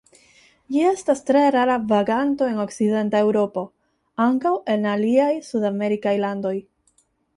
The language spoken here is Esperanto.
Ĝi estas tre rara vaganto en okcidenta Eŭropo; ankaŭ en aliaj sudamerikaj landoj.